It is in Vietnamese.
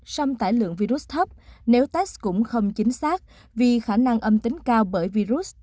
xâm tải lượng virus thấp nếu test cũng không chính xác vì khả năng âm tính cao bởi virus